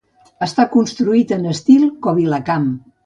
Està construït en estil kovilakam.